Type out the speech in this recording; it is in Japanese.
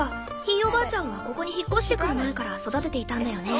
ひいおばあちゃんはここに引っ越してくる前から育てていたんだよね？